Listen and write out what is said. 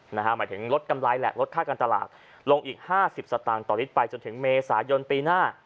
หมายถึงลดกำไรแหละลดค่าการตลาดลงอีก๕๐สตางค์ต่อลิตรไปจนถึงเมษายนปีหน้า